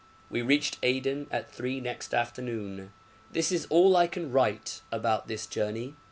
We reached Aden at three next afternoon. This is all I can write about this journey.